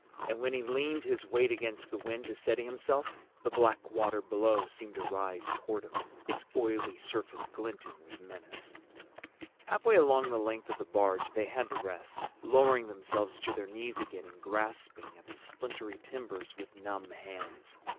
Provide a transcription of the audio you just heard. And when he leaned his weight against the wind, to steady himself, the black water below seemed to rise toward him, its oily surface glinting with menace. Halfway along the length of the barge they had to rest, lowering themselves to their knees again and grasping at the splintery timbers with numb hands.